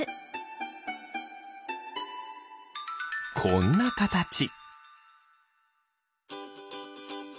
こんなかたち。